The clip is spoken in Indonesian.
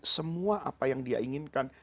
semua apa yang dia inginkan